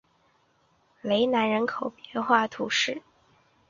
雷南人口变化图示